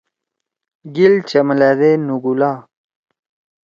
گیل چملأدے نُگُولا۔